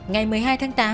ngày một mươi hai tháng tám